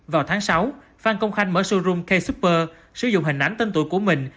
vào tháng sáu phan công khanh mở showroom k super sử dụng hình ảnh tên tuổi của mình